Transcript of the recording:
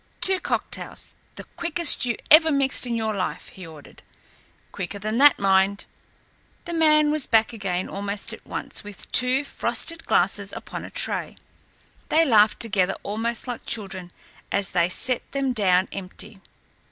"Two cocktails the quickest you ever mixed in your life," he ordered. "Quicker than that, mind." The man was back again almost at once with two frosted glasses upon a tray. They laughed together almost like children as they set them down empty.